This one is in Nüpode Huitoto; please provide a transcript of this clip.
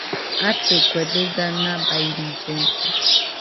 Atɨ , kue dɨga nabairillesa